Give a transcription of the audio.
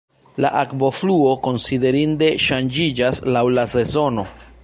La akvofluo konsiderinde ŝanĝiĝas laŭ la sezono.